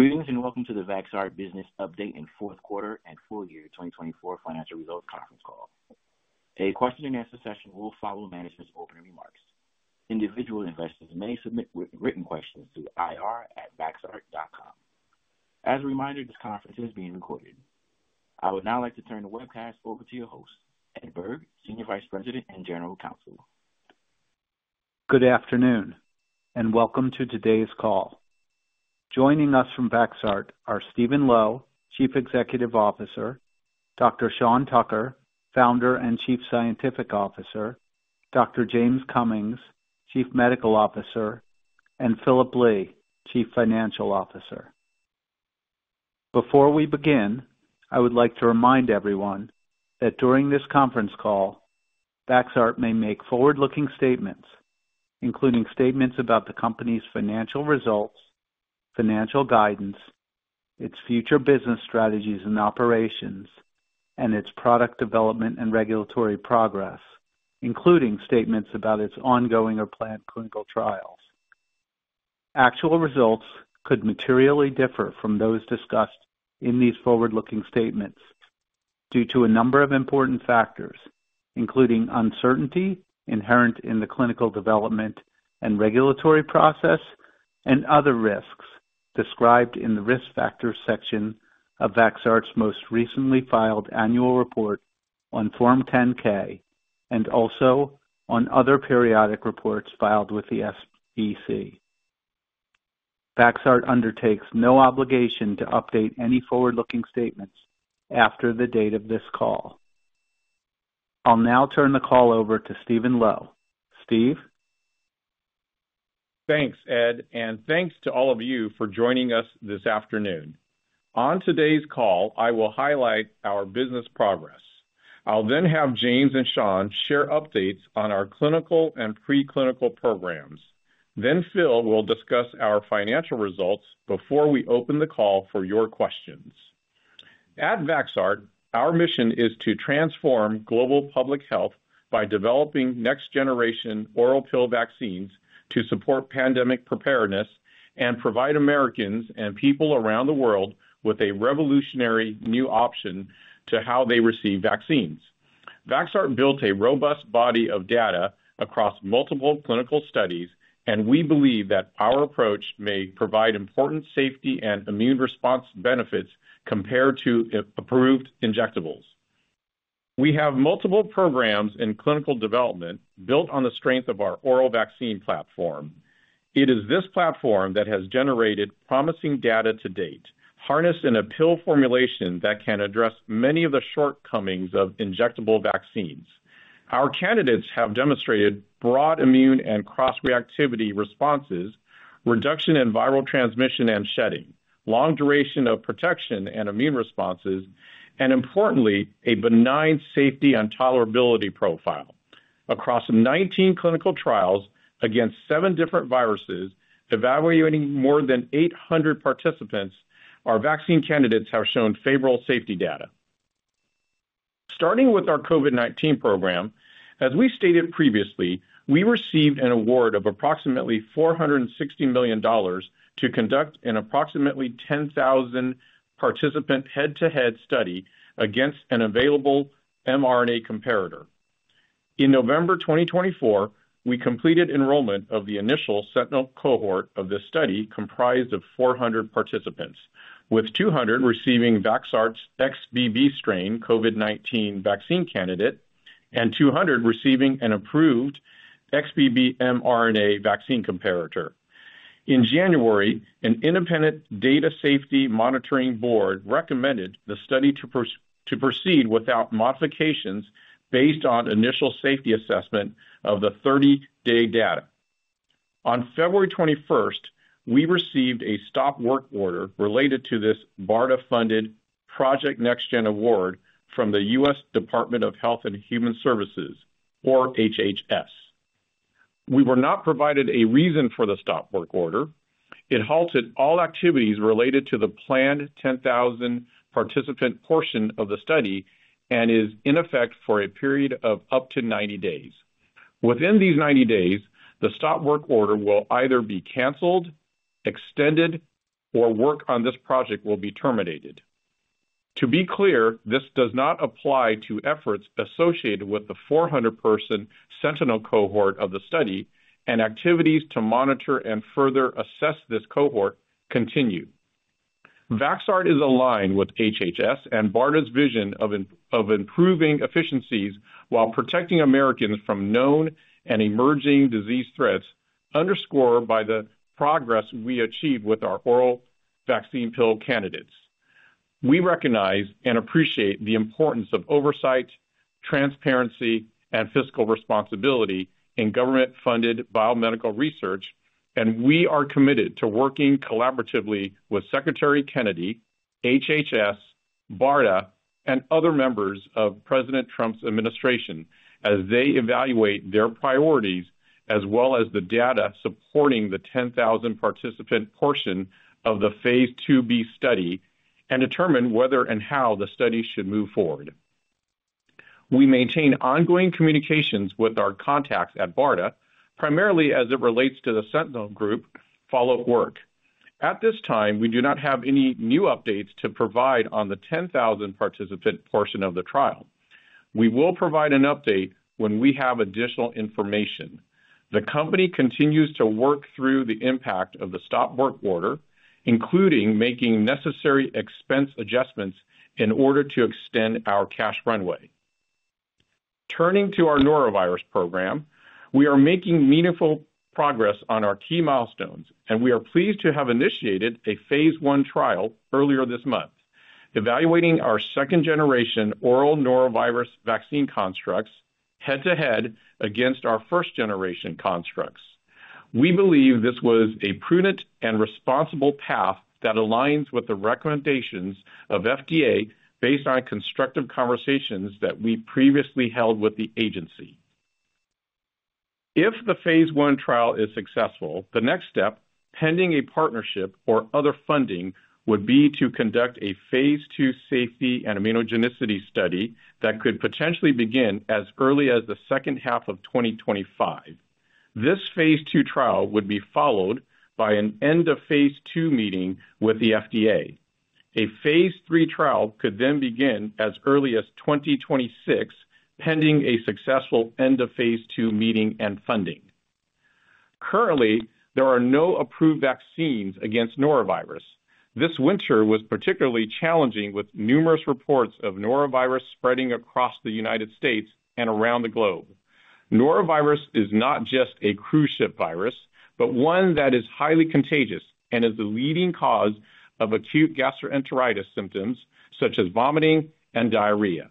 Greetings and welcome to the Vaxart Business Update and Fourth Quarter and Full Year 2024 Financial Results Conference Call. A question-and-answer session will follow management's opening remarks. Individual investors may submit written questions to ir@vaxart.com. As a reminder, this conference is being recorded. I would now like to turn the webcast over to your host, Ed Berg, Senior Vice President and General Counsel. Good afternoon and welcome to today's call. Joining us from Vaxart are Steven Lo, Chief Executive Officer; Dr. Sean Tucker, Founder and Chief Scientific Officer; Dr. James Cummings, Chief Medical Officer; and Philip Lee, Chief Financial Officer. Before we begin, I would like to remind everyone that during this conference call, Vaxart may make forward-looking statements, including statements about the company's financial results, financial guidance, its future business strategies and operations, and its product development and regulatory progress, including statements about its ongoing or planned clinical trials. Actual results could materially differ from those discussed in these forward-looking statements due to a number of important factors, including uncertainty inherent in the clinical development and regulatory process and other risks described in the risk factors section of Vaxart's most recently filed annual report on Form 10-K and also on other periodic reports filed with the SEC. Vaxart undertakes no obligation to update any forward-looking statements after the date of this call. I'll now turn the call over to Steven Lo. Steve. Thanks, Ed, and thanks to all of you for joining us this afternoon. On today's call, I will highlight our business progress. I will then have James and Sean share updates on our clinical and preclinical programs. Phil will discuss our financial results before we open the call for your questions. At Vaxart, our mission is to transform global public health by developing next-generation oral pill vaccines to support pandemic preparedness and provide Americans and people around the world with a revolutionary new option to how they receive vaccines. Vaxart built a robust body of data across multiple clinical studies, and we believe that our approach may provide important safety and immune response benefits compared to approved injectables. We have multiple programs in clinical development built on the strength of our oral vaccine platform. It is this platform that has generated promising data to date, harnessed in a pill formulation that can address many of the shortcomings of injectable vaccines. Our candidates have demonstrated broad immune and cross-reactivity responses, reduction in viral transmission and shedding, long duration of protection and immune responses, and importantly, a benign safety and tolerability profile. Across 19 clinical trials against seven different viruses, evaluating more than 800 participants, our vaccine candidates have shown favorable safety data. Starting with our COVID-19 program, as we stated previously, we received an award of approximately $460 million to conduct an approximately 10,000 participant head-to-head study against an available mRNA comparator. In November 2024, we completed enrollment of the initial sentinel cohort of this study comprised of 400 participants, with 200 receiving Vaxart's XBB strain COVID-19 vaccine candidate and 200 receiving an approved XBB mRNA vaccine comparator. In January, an independent data safety monitoring board recommended the study to proceed without modifications based on initial safety assessment of the 30-day data. On February 21, we received a stop work order related to this BARDA-funded Project NextGen award from the U.S. Department of Health and Human Services, or HHS. We were not provided a reason for the stop work order. It halted all activities related to the planned 10,000 participant portion of the study and is in effect for a period of up to 90 days. Within these 90 days, the stop work order will either be canceled, extended, or work on this project will be terminated. To be clear, this does not apply to efforts associated with the 400-person sentinel cohort of the study, and activities to monitor and further assess this cohort continue. Vaxart is aligned with HHS and BARDA's vision of improving efficiencies while protecting Americans from known and emerging disease threats underscored by the progress we achieve with our oral vaccine pill candidates. We recognize and appreciate the importance of oversight, transparency, and fiscal responsibility in government-funded biomedical research, and we are committed to working collaboratively with Secretary Kennedy, HHS, BARDA, and other members of President Trump's administration as they evaluate their priorities as well as the data supporting the 10,000 participant portion of the phase IIb study and determine whether and how the study should move forward. We maintain ongoing communications with our contacts at BARDA, primarily as it relates to the sentinel group follow-up work. At this time, we do not have any new updates to provide on the 10,000 participant portion of the trial. We will provide an update when we have additional information. The company continues to work through the impact of the stop work order, including making necessary expense adjustments in order to extend our cash runway. Turning to our norovirus program, we are making meaningful progress on our key milestones, and we are pleased to have initiated a phase I trial earlier this month, evaluating our second-generation oral norovirus vaccine constructs head-to-head against our first-generation constructs. We believe this was a prudent and responsible path that aligns with the recommendations of FDA based on constructive conversations that we previously held with the agency. If the phase I trial is successful, the next step, pending a partnership or other funding, would be to conduct a phase II safety and immunogenicity study that could potentially begin as early as the second half of 2025. This phase II trial would be followed by an end-of-phase II meeting with the FDA. A phase III trial could then begin as early as 2026, pending a successful end-of-phase II meeting and funding. Currently, there are no approved vaccines against norovirus. This winter was particularly challenging with numerous reports of norovirus spreading across the United States and around the globe. Norovirus is not just a cruise ship virus, but one that is highly contagious and is the leading cause of acute gastroenteritis symptoms such as vomiting and diarrhea.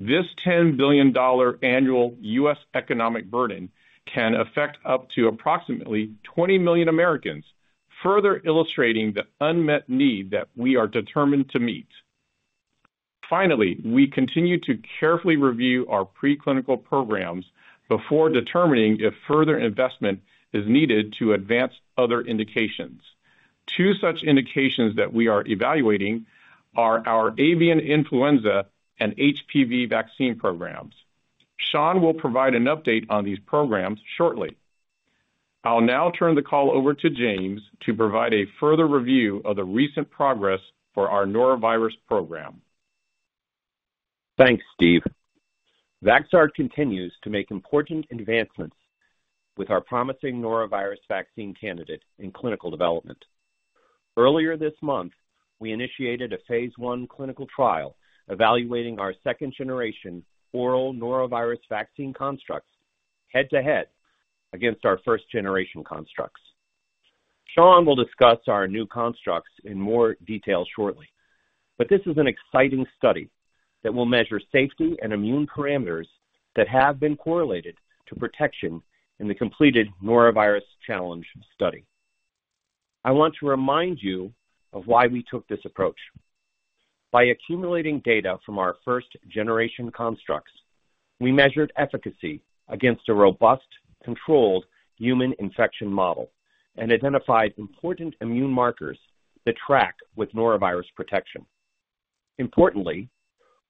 This $10 billion annual U.S. economic burden can affect up to approximately 20 million Americans, further illustrating the unmet need that we are determined to meet. Finally, we continue to carefully review our preclinical programs before determining if further investment is needed to advance other indications. Two such indications that we are evaluating are our avian influenza and HPV vaccine programs. Sean will provide an update on these programs shortly. I'll now turn the call over to James to provide a further review of the recent progress for our norovirus program. Thanks, Steve. Vaxart continues to make important advancements with our promising norovirus vaccine candidate in clinical development. Earlier this month, we initiated a phase I clinical trial evaluating our second-generation oral norovirus vaccine constructs head-to-head against our first-generation constructs. Sean will discuss our new constructs in more detail shortly, but this is an exciting study that will measure safety and immune parameters that have been correlated to protection in the completed norovirus challenge study. I want to remind you of why we took this approach. By accumulating data from our first-generation constructs, we measured efficacy against a robust, controlled human infection model and identified important immune markers that track with norovirus protection. Importantly,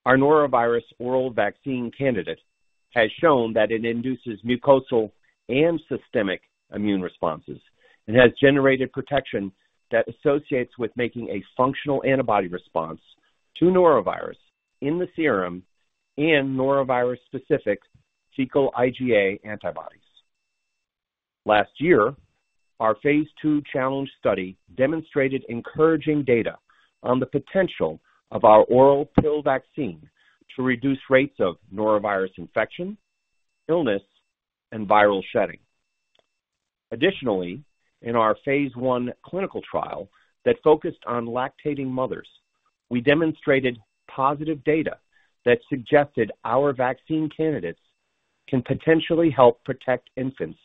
our norovirus oral vaccine candidate has shown that it induces mucosal and systemic immune responses and has generated protection that associates with making a functional antibody response to norovirus in the serum and norovirus-specific fecal IgA antibodies. Last year, our phase II challenge study demonstrated encouraging data on the potential of our oral pill vaccine to reduce rates of norovirus infection, illness, and viral shedding. Additionally, in our phase I clinical trial that focused on lactating mothers, we demonstrated positive data that suggested our vaccine candidates can potentially help protect infants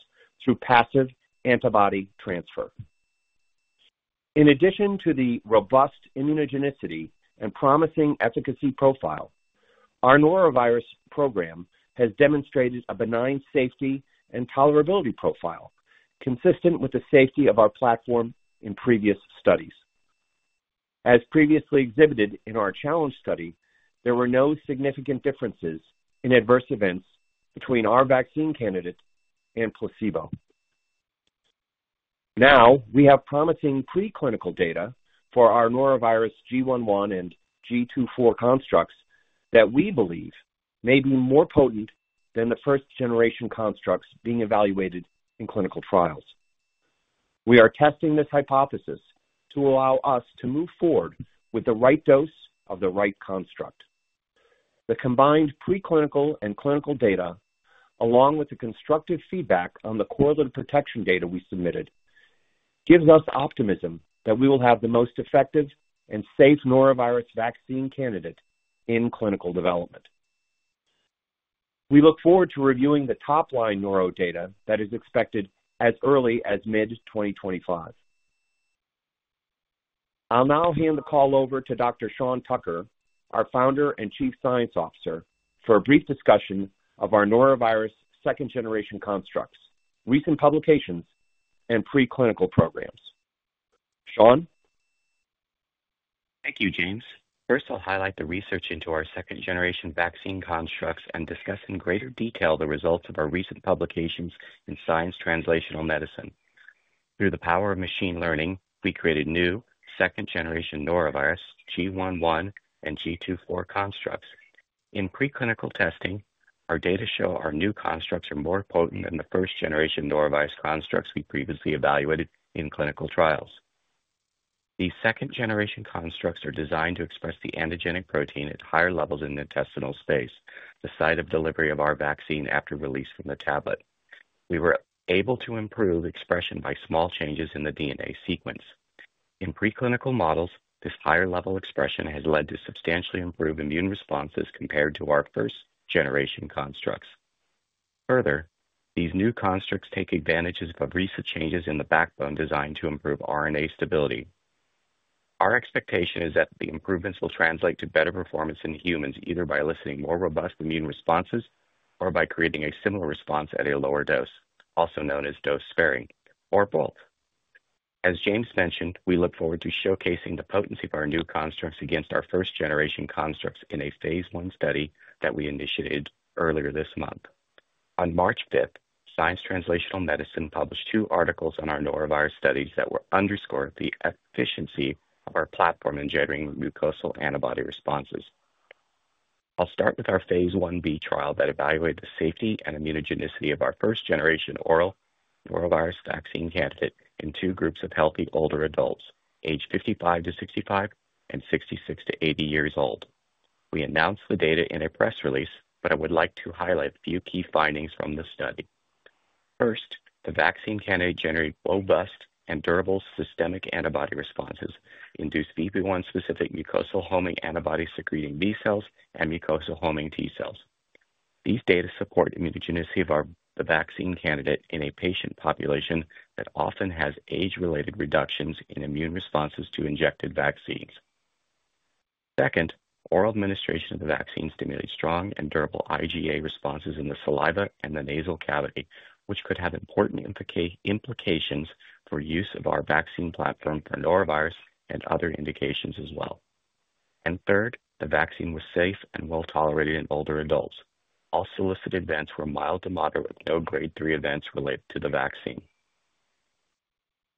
through passive antibody transfer. In addition to the robust immunogenicity and promising efficacy profile, our norovirus program has demonstrated a benign safety and tolerability profile consistent with the safety of our platform in previous studies. As previously exhibited in our challenge study, there were no significant differences in adverse events between our vaccine candidate and placebo. Now, we have promising preclinical data for our norovirus GI.1 and GII.4 constructs that we believe may be more potent than the first-generation constructs being evaluated in clinical trials. We are testing this hypothesis to allow us to move forward with the right dose of the right construct. The combined preclinical and clinical data, along with the constructive feedback on the correlated protection data we submitted, gives us optimism that we will have the most effective and safe norovirus vaccine candidate in clinical development. We look forward to reviewing the top-line noro data that is expected as early as mid-2025. I'll now hand the call over to Dr. Sean Tucker, our founder and Chief Science Officer, for a brief discussion of our norovirus second-generation constructs, recent publications, and preclinical programs. Sean? Thank you, James. First, I'll highlight the research into our second-generation vaccine constructs and discuss in greater detail the results of our recent publications in Science Translational Medicine. Through the power of machine learning, we created new second-generation norovirus GI.1 and GII.4 constructs. In preclinical testing, our data show our new constructs are more potent than the first-generation norovirus constructs we previously evaluated in clinical trials. These second-generation constructs are designed to express the antigenic protein at higher levels in the intestinal space, the site of delivery of our vaccine after release from the tablet. We were able to improve expression by small changes in the DNA sequence. In preclinical models, this higher-level expression has led to substantially improved immune responses compared to our first-generation constructs. Further, these new constructs take advantage of recent changes in the backbone designed to improve RNA stability. Our expectation is that the improvements will translate to better performance in humans, either by eliciting more robust immune responses or by creating a similar response at a lower dose, also known as dose sparing, or both. As James mentioned, we look forward to showcasing the potency of our new constructs against our first-generation constructs in a phase I study that we initiated earlier this month. On March 5th, Science Translational Medicine published two articles on our norovirus studies that underscored the efficiency of our platform in generating mucosal antibody responses. I'll start with our phase IB trial that evaluated the safety and immunogenicity of our first-generation oral norovirus vaccine candidate in two groups of healthy older adults, age 55 to 65 and 66 to 80 years old. We announced the data in a press release, but I would like to highlight a few key findings from the study. First, the vaccine candidate generated robust and durable systemic antibody responses that induce VP1-specific mucosal homing antibody-secreting B cells and mucosal homing T cells. These data support immunogenicity of the vaccine candidate in a patient population that often has age-related reductions in immune responses to injected vaccines. Second, oral administration of the vaccine stimulates strong and durable IgA responses in the saliva and the nasal cavity, which could have important implications for use of our vaccine platform for norovirus and other indications as well. Third, the vaccine was safe and well-tolerated in older adults. All solicited events were mild to moderate with no grade 3 events related to the vaccine.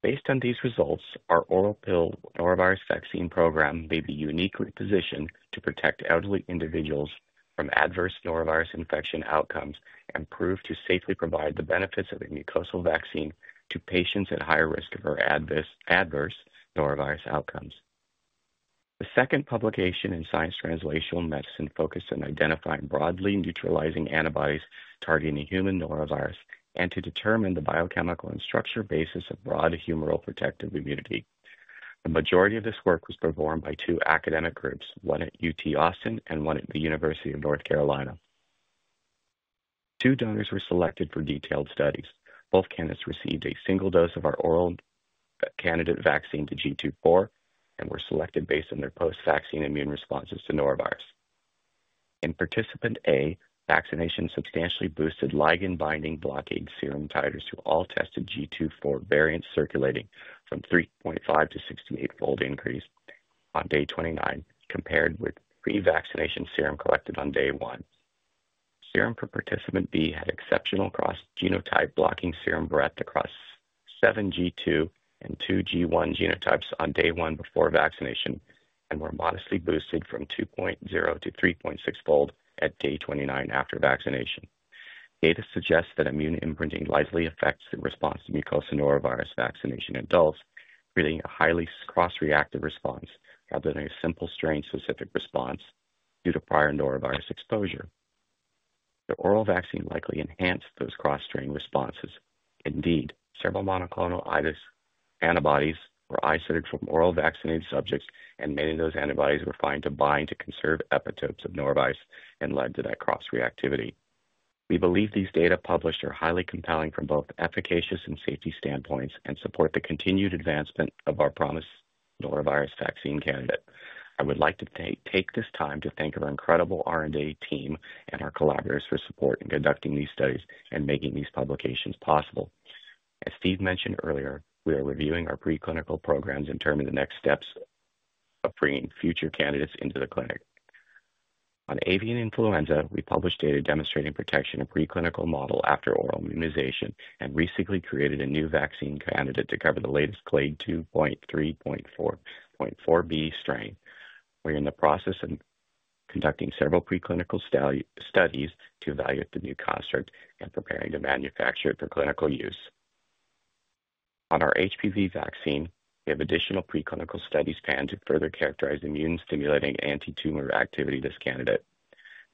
Based on these results, our oral pill norovirus vaccine program may be uniquely positioned to protect elderly individuals from adverse norovirus infection outcomes and prove to safely provide the benefits of a mucosal vaccine to patients at higher risk for adverse norovirus outcomes. The second publication in Science Translational Medicine focused on identifying broadly neutralizing antibodies targeting human norovirus and to determine the biochemical and structural basis of broad humoral protective immunity. The majority of this work was performed by two academic groups, one at UT Austin and one at the University of North Carolina. Two donors were selected for detailed studies. Both candidates received a single dose of our oral candidate vaccine to GII.4 and were selected based on their post-vaccine immune responses to norovirus. In participant A, vaccination substantially boosted ligand-binding blockade serum titers to all tested GII.4 variants circulating from 3.5-68 fold increase on day 29 compared with pre-vaccination serum collected on day one. Serum for participant B had exceptional cross-genotype blocking serum breadth across seven GII and two GI genotypes on day one before vaccination and were modestly boosted from 2.0-3.6 fold at day 29 after vaccination. Data suggests that immune imprinting likely affects the response to mucosal norovirus vaccination in adults, creating a highly cross-reactive response rather than a simple strain-specific response due to prior norovirus exposure. The oral vaccine likely enhanced those cross-strain responses. Indeed, several monoclonal antibodies were isolated from oral vaccinated subjects, and many of those antibodies were found to bind to conserved epitopes of norovirus and led to that cross-reactivity. We believe these data published are highly compelling from both efficacious and safety standpoints and support the continued advancement of our promised norovirus vaccine candidate. I would like to take this time to thank our incredible R&D team and our collaborators for support in conducting these studies and making these publications possible. As Steve mentioned earlier, we are reviewing our preclinical programs in terms of the next steps of bringing future candidates into the clinic. On avian influenza, we published data demonstrating protection of preclinical model after oral immunization and recently created a new vaccine candidate to cover the latest clade 2.3.4.4b strain. We are in the process of conducting several preclinical studies to evaluate the new construct and preparing to manufacture it for clinical use. On our HPV vaccine, we have additional preclinical studies planned to further characterize immune-stimulating anti-tumor activity of this candidate.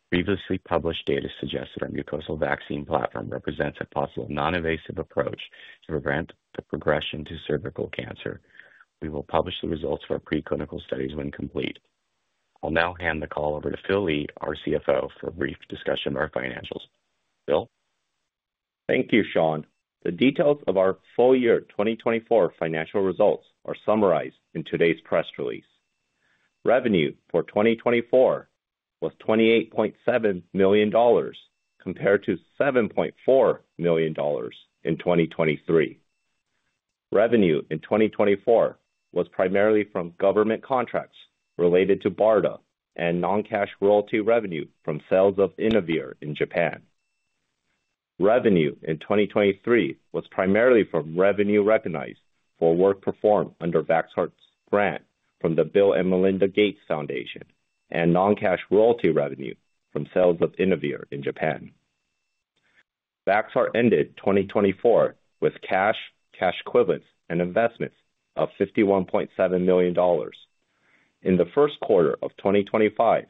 Previously published data suggest that our mucosal vaccine platform represents a possible non-invasive approach to prevent the progression to cervical cancer. We will publish the results of our preclinical studies when complete. I'll now hand the call over to Phil Lee, our CFO, for a brief discussion of our financials. Phil? Thank you, Sean. The details of our full year 2024 financial results are summarized in today's press release. Revenue for 2024 was $28.7 million compared to $7.4 million in 2023. Revenue in 2024 was primarily from government contracts related to BARDA and non-cash royalty revenue from sales of Inavir in Japan. Revenue in 2023 was primarily from revenue recognized for work performed under Vaxart's grant from the Bill & Melinda Gates Foundation and non-cash royalty revenue from sales of Inavir in Japan. Vaxart ended 2024 with cash, cash equivalents, and investments of $51.7 million. In the first quarter of 2025,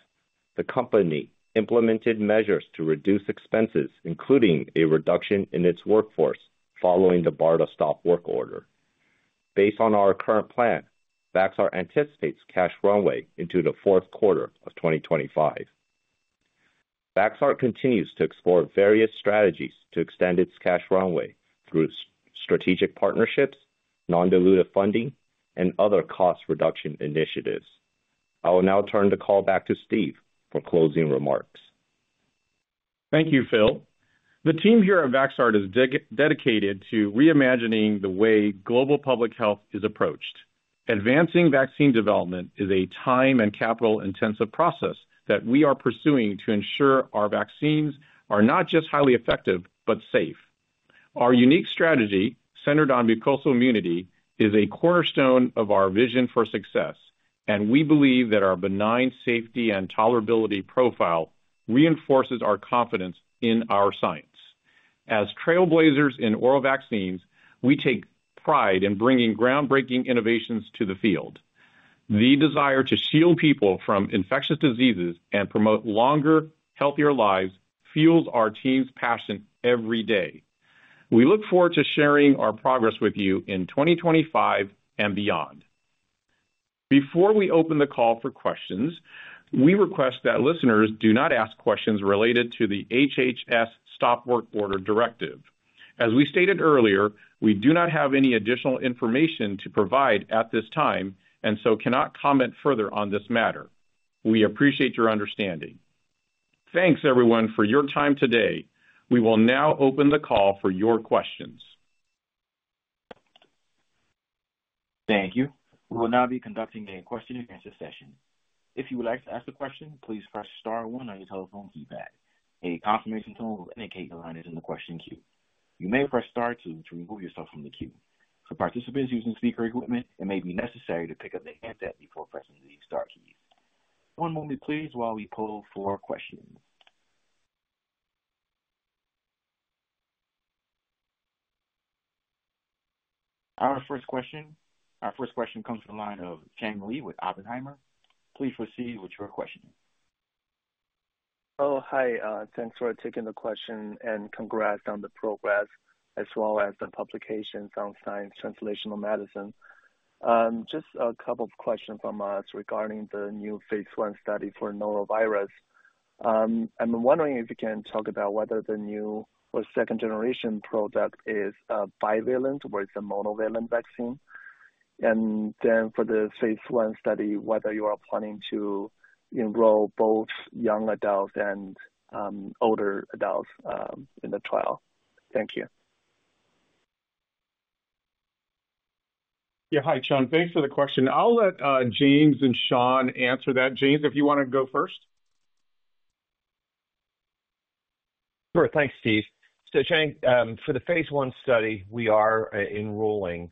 the company implemented measures to reduce expenses, including a reduction in its workforce following the BARDA stop work order. Based on our current plan, Vaxart anticipates cash runway into the fourth quarter of 2025. Vaxart continues to explore various strategies to extend its cash runway through strategic partnerships, non-dilutive funding, and other cost reduction initiatives. I will now turn the call back to Steve for closing remarks. Thank you, Phil. The team here at Vaxart is dedicated to reimagining the way global public health is approached. Advancing vaccine development is a time and capital-intensive process that we are pursuing to ensure our vaccines are not just highly effective, but safe. Our unique strategy centered on mucosal immunity is a cornerstone of our vision for success, and we believe that our benign safety and tolerability profile reinforces our confidence in our science. As trailblazers in oral vaccines, we take pride in bringing groundbreaking innovations to the field. The desire to shield people from infectious diseases and promote longer, healthier lives fuels our team's passion every day. We look forward to sharing our progress with you in 2025 and beyond. Before we open the call for questions, we request that listeners do not ask questions related to the HHS stop work order directive. As we stated earlier, we do not have any additional information to provide at this time and so cannot comment further on this matter. We appreciate your understanding. Thanks, everyone, for your time today. We will now open the call for your questions. Thank you. We will now be conducting a question-and-answer session. If you would like to ask a question, please press Star one on your telephone keypad. A confirmation tone will indicate your line is in the question queue. You may press Star two to remove yourself from the queue. For participants using speaker equipment, it may be necessary to pick up the headset before pressing the Star keys. One moment, please, while we pull for questions. Our first question comes from the line of Cheng Li with Oppenheimer. Please proceed with your question. Oh, hi. Thanks for taking the question and congrats on the progress as well as the publications on Science Translational Medicine. Just a couple of questions from us regarding the new phase I study for norovirus. I'm wondering if you can talk about whether the new or second-generation product is bivalent or it's a monovalent vaccine. For the phase I study, whether you are planning to enroll both young adults and older adults in the trial. Thank you. Yeah, hi, Chang. Thanks for the question. I'll let James and Sean answer that. James, if you want to go first. Sure. Thanks, Steve. For the phase I study, we are enrolling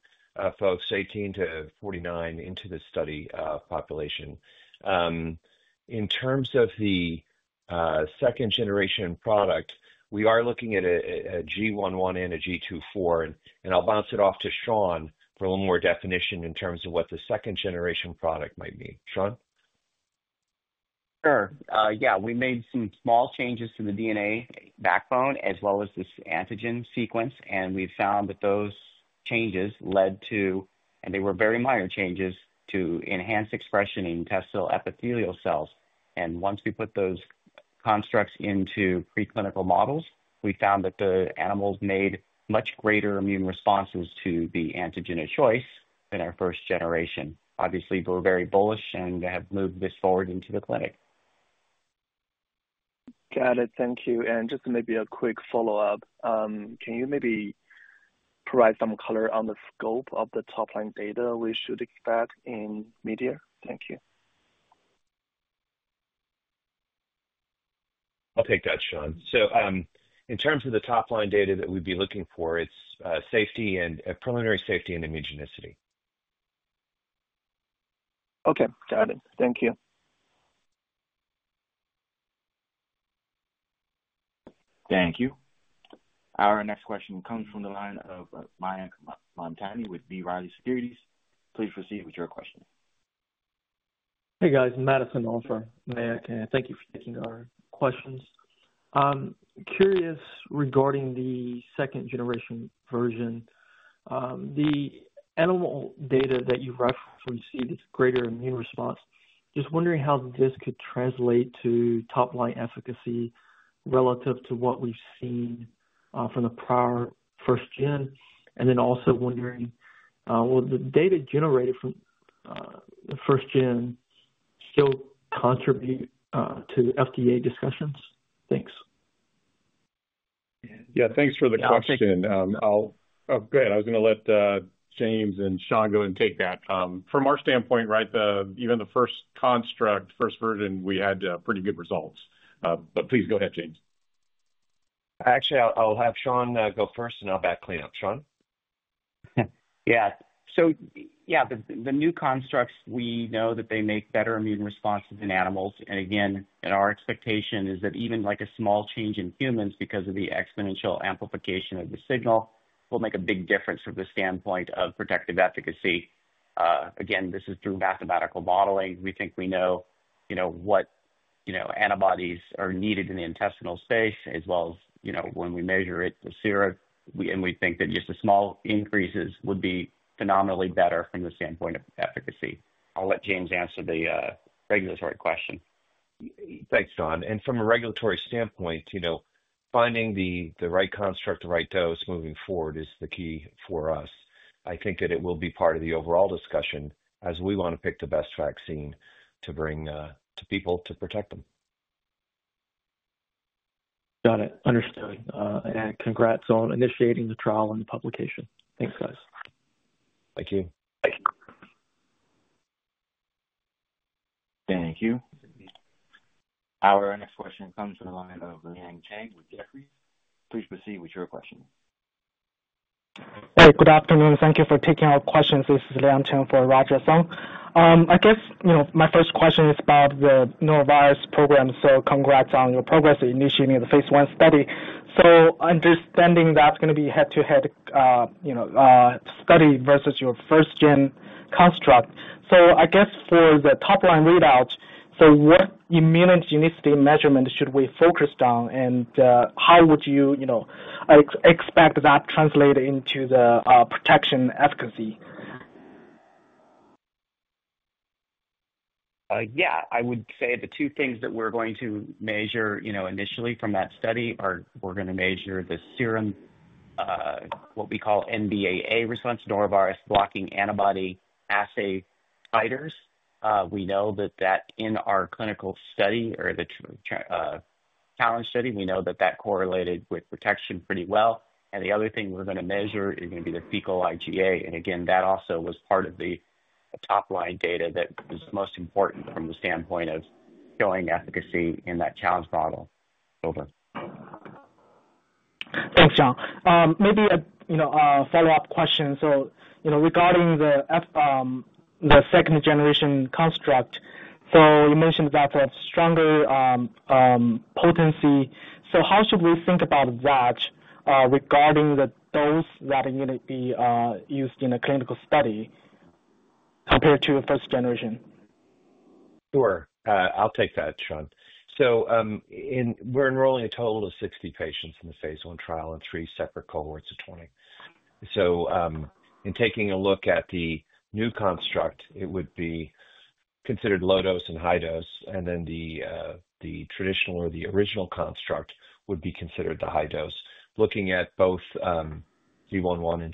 folks 18 years to 49 years into the study population. In terms of the second-generation product, we are looking at a GI.1 and a GII.4, and I'll bounce it off to Sean for a little more definition in terms of what the second-generation product might be. Sean? Sure. Yeah. We made some small changes to the DNA backbone as well as this antigen sequence, and we found that those changes led to, and they were very minor changes, to enhanced expression in intestinal epithelial cells. Once we put those constructs into preclinical models, we found that the animals made much greater immune responses to the antigen of choice than our first generation. Obviously, we're very bullish and have moved this forward into the clinic. Got it. Thank you. Just maybe a quick follow-up. Can you maybe provide some color on the scope of the top-line data we should expect in media? Thank you. I'll take that, Sean. In terms of the top-line data that we'd be looking for, it's safety and preliminary safety and immunogenicity. Okay. Got it. Thank you. Thank you. Our next question comes from the line of Mayank Mamtani with B. Riley Securities. Please proceed with your question. Hey, guys. Madison on for Mayank. Thank you for taking our questions. Curious regarding the second-generation version. The animal data that you referenced from see is greater immune response. Just wondering how this could translate to top-line efficacy relative to what we've seen from the prior first-gen. Also wondering, will the data generated from the first-gen still contribute to FDA discussions? Thanks. Yeah. Thanks for the question. I was going to let James and Sean go and take that. From our standpoint, right, even the first construct, first version, we had pretty good results. Please go ahead, James. Actually, I'll have Sean go first, and I'll back clean up. Sean? Yeah. The new constructs, we know that they make better immune responses in animals. Again, our expectation is that even a small change in humans because of the exponential amplification of the signal will make a big difference from the standpoint of protective efficacy. This is through mathematical modeling. We think we know what antibodies are needed in the intestinal space as well as when we measure it with serum, and we think that just the small increases would be phenomenally better from the standpoint of efficacy. I'll let James answer the regulatory question. Thanks, Sean. From a regulatory standpoint, finding the right construct, the right dose moving forward is the key for us. I think that it will be part of the overall discussion as we want to pick the best vaccine to bring to people to protect them. Got it. Understood. Congrats on initiating the trial and the publication. Thanks, guys. Thank you. Thank you. Our next question comes from the line of Liang Cheng with Jefferies. Please proceed with your question. Hey, good afternoon. Thank you for taking our questions. This is Liang Cheng for Rogersong. I guess my first question is about the norovirus program. Congrats on your progress in initiating the phase I study. Understanding that's going to be a head-to-head study versus your first-gen construct. For the top-line readout, what immunogenicity measurement should we focus on, and how would you expect that translated into the protection efficacy? Yeah. I would say the two things that we're going to measure initially from that study are we're going to measure the serum, what we call NBAA response, norovirus blocking antibody assay titers. We know that that in our clinical study or the challenge study, we know that that correlated with protection pretty well. The other thing we're going to measure is going to be the fecal IgA. Again, that also was part of the top-line data that was most important from the standpoint of showing efficacy in that challenge model. Over. Thanks, Sean. Maybe a follow-up question. Regarding the second-generation construct, you mentioned that stronger potency. How should we think about that regarding the dose that needed to be used in a clinical study compared to first-generation? Sure. I'll take that, Sean. We're enrolling a total of 60 patients in the phase I trial in three separate cohorts of 20. In taking a look at the new construct, it would be considered low dose and high dose. The traditional or the original construct would be considered the high dose, looking at both GI.1 and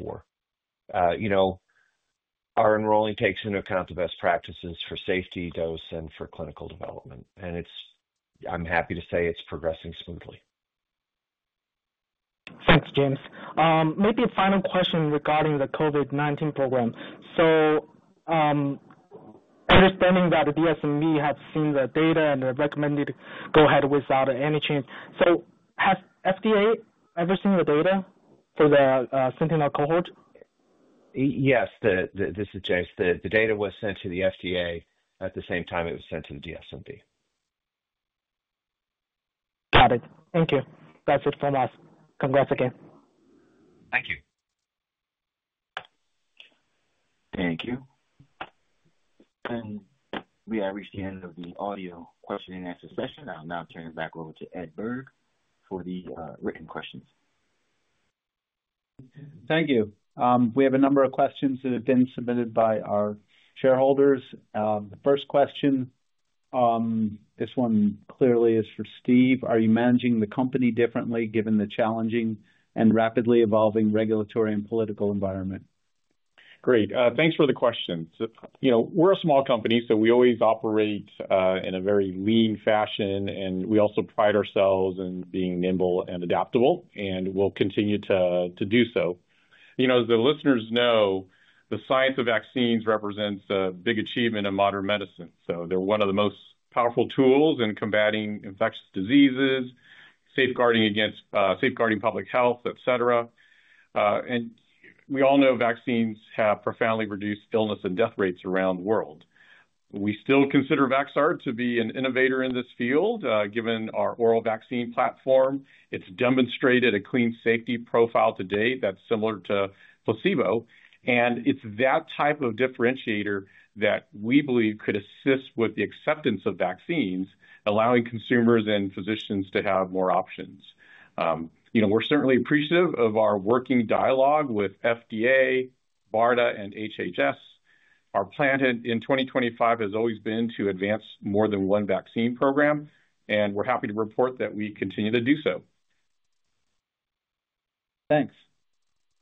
GII.4. Our enrolling takes into account the best practices for safety dose and for clinical development. I'm happy to say it's progressing smoothly. Thanks, James. Maybe a final question regarding the COVID-19 program. Understanding that the DSMB have seen the data and recommended go ahead without any change. Has FDA ever seen the data for the sentinel cohort? Yes. This is James. The data was sent to the FDA at the same time it was sent to the DSMB. Got it. Thank you. That's it from us. Congrats again. Thank you. Thank you. We have reached the end of the audio question-and-answer session. I'll now turn it back over to Ed Berg for the written questions. Thank you. We have a number of questions that have been submitted by our shareholders. The first question, this one clearly is for Steve. Are you managing the company differently given the challenging and rapidly evolving regulatory and political environment? Great. Thanks for the question. We're a small company, so we always operate in a very lean fashion, and we also pride ourselves in being nimble and adaptable, and we'll continue to do so. As the listeners know, the science of vaccines represents a big achievement in modern medicine. They're one of the most powerful tools in combating infectious diseases, safeguarding public health, etc. We all know vaccines have profoundly reduced illness and death rates around the world. We still consider Vaxart to be an innovator in this field given our oral vaccine platform. It's demonstrated a clean safety profile to date that's similar to placebo. It's that type of differentiator that we believe could assist with the acceptance of vaccines, allowing consumers and physicians to have more options. We're certainly appreciative of our working dialogue with FDA, BARDA, and HHS. Our plan in 2025 has always been to advance more than one vaccine program, and we're happy to report that we continue to do so. Thanks.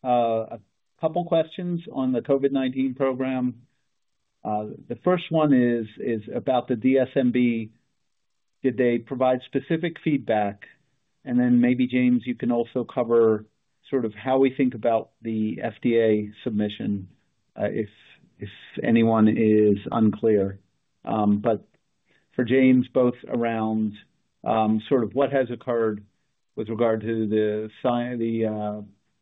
A couple of questions on the COVID-19 program. The first one is about the DSMB. Did they provide specific feedback? Maybe, James, you can also cover sort of how we think about the FDA submission if anyone is unclear. For James, both around sort of what has occurred with regard to the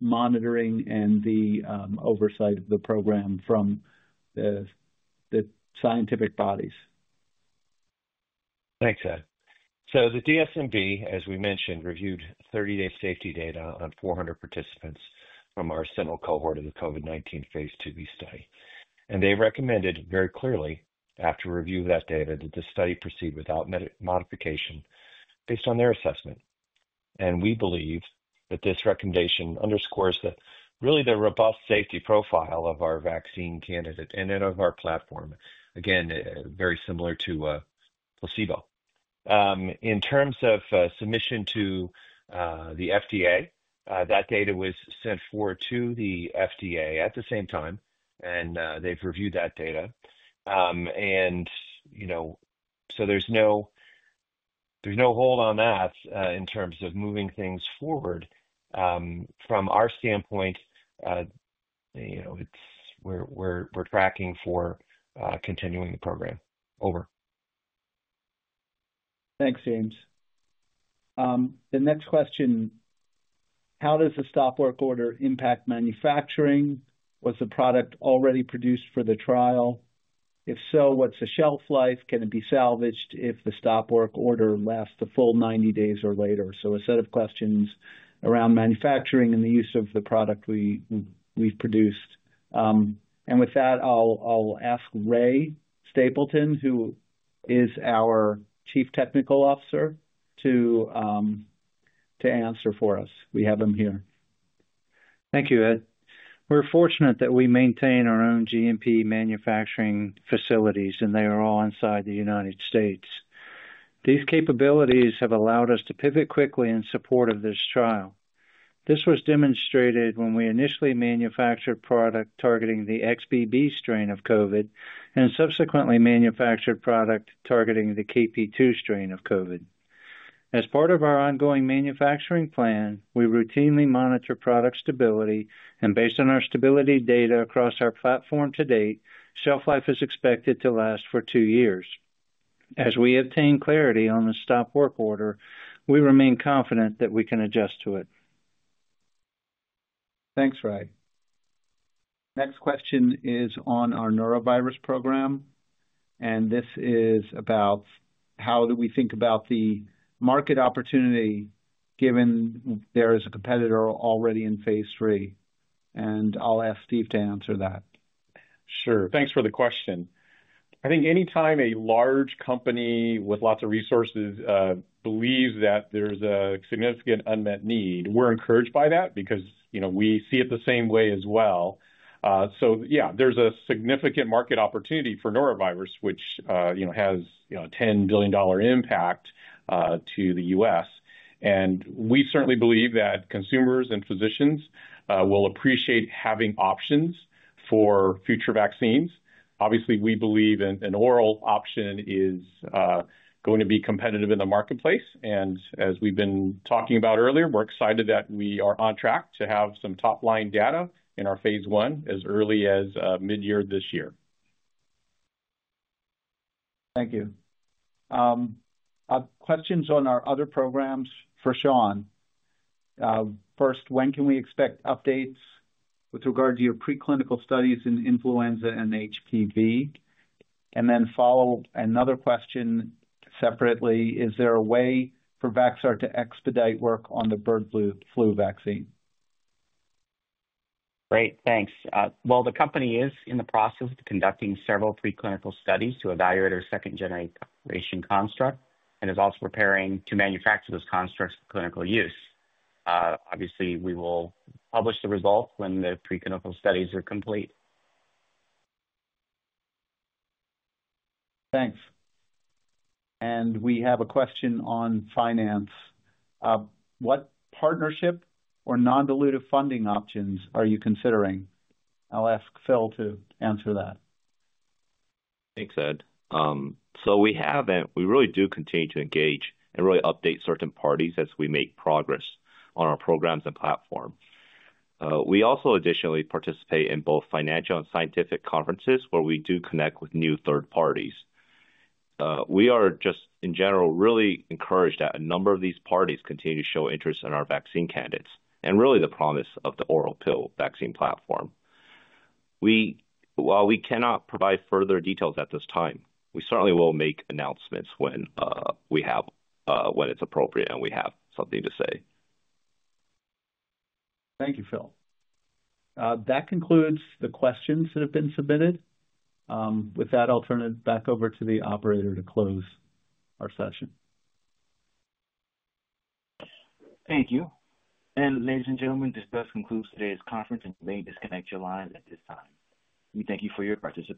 monitoring and the oversight of the program from the scientific bodies. Thanks, Ed. The DSMB, as we mentioned, reviewed 30-day safety data on 400 participants from our central cohort of the COVID-19 phase IIb study. They recommended very clearly after review of that data that the study proceed without modification based on their assessment. We believe that this recommendation underscores really the robust safety profile of our vaccine candidate and of our platform. Again, very similar to placebo. In terms of submission to the FDA, that data was sent forward to the FDA at the same time, and they've reviewed that data. There is no hold on that in terms of moving things forward. From our standpoint, we're tracking for continuing the program. Over. Thanks, James. The next question. How does the stop work order impact manufacturing? Was the product already produced for the trial? If so, what's the shelf life? Can it be salvaged if the stop work order lasts the full 90 days or later? A set of questions around manufacturing and the use of the product we've produced. With that, I'll ask Ray Stapleton, who is our Chief Technical Officer, to answer for us. We have him here. Thank you, Ed. We're fortunate that we maintain our own GMP manufacturing facilities, and they are all inside the United States. These capabilities have allowed us to pivot quickly in support of this trial. This was demonstrated when we initially manufactured product targeting the XBB strain of COVID and subsequently manufactured product targeting the KP2 strain of COVID. As part of our ongoing manufacturing plan, we routinely monitor product stability, and based on our stability data across our platform to date, shelf life is expected to last for two years. As we obtain clarity on the stop work order, we remain confident that we can adjust to it. Thanks, Ray. Next question is on our norovirus program. This is about how do we think about the market opportunity given there is a competitor already in phase II? I'll ask Steve to answer that. Sure. Thanks for the question. I think anytime a large company with lots of resources believes that there's a significant unmet need, we're encouraged by that because we see it the same way as well. Yeah, there's a significant market opportunity for norovirus, which has a $10 billion impact to the U.S. We certainly believe that consumers and physicians will appreciate having options for future vaccines. Obviously, we believe an oral option is going to be competitive in the marketplace. As we've been talking about earlier, we're excited that we are on track to have some top-line data in our phase I as early as mid-year this year. Thank you. Questions on our other programs for Sean. First, when can we expect updates with regard to your preclinical studies in influenza and HPV? Follow another question separately. Is there a way for Vaxart to expedite work on the bird flu vaccine? Great. Thanks. The company is in the process of conducting several preclinical studies to evaluate our second-generation construct and is also preparing to manufacture those constructs for clinical use. Obviously, we will publish the results when the preclinical studies are complete. Thanks. We have a question on finance. What partnership or non-dilutive funding options are you considering? I'll ask Phil to answer that. Thanks, Ed. We really do continue to engage and really update certain parties as we make progress on our programs and platform. We also additionally participate in both financial and scientific conferences where we do connect with new third parties. We are just, in general, really encouraged that a number of these parties continue to show interest in our vaccine candidates and really the promise of the oral pill vaccine platform. While we cannot provide further details at this time, we certainly will make announcements when it's appropriate and we have something to say. Thank you, Phil. That concludes the questions that have been submitted. With that, I'll turn it back over to the operator to close our session. Thank you. Ladies and gentlemen, this does conclude today's conference, and you may disconnect your lines at this time. We thank you for your participation.